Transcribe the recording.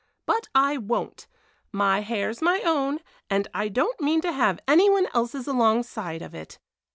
But I won't! My hair's my own, and I don't mean to have any one else's alongside of it.